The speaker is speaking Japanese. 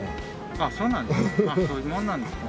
あそうなんですか。